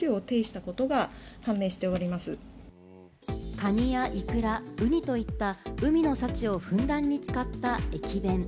カニやイクラ、ウニといった海の幸をふんだんに使った駅弁。